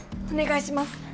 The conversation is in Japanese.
お願いします。